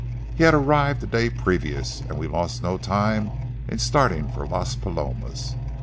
He had arrived the day previous, and we lost no time in starting for Las Palomas.